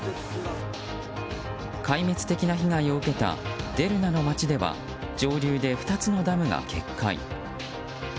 壊滅的な被害を受けたデルナの街では上流で２つのダムが決壊。